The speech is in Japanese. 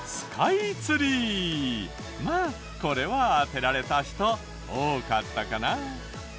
まあこれは当てられた人多かったかな。